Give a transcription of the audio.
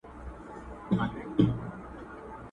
سوځوي مي د خپل ستوني درد بې اوره٫